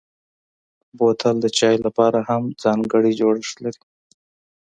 بوتل د چايو لپاره هم ځانګړی جوړښت لري.